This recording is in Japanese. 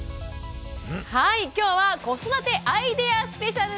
はい今日は「子育てアイデアスペシャル！」